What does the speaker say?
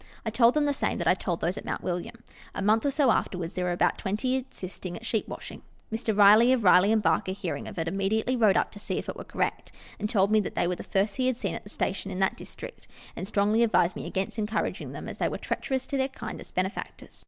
I told them the same that I told those at Mount William. A month or so afterwards there were about twenty assisting at sheep washing. Mr. Riley, of Riley and Barker, hearing of it, immediately rode up to see if it wre correct, and told me that they were the first he had seen at a station in that district, and strongly advised me against encouraging them, as they were treacherous to their kindest benefactors.